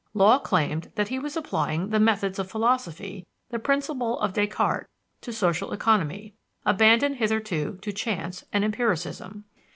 Law claimed that he was applying "the methods of philosophy, the principles of Descartes, to social economy, abandoned hitherto to chance and empiricism."